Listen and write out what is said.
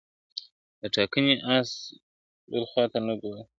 د ټانګې آس بل خواته نه ګوري ..